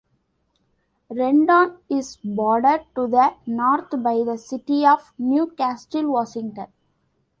Renton is bordered to the north by the city of Newcastle, Washington.